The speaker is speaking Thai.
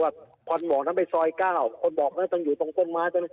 คนบอกนั้นไปซอยก้าวคนบอกนั้นต้องอยู่ตรงต้นม้า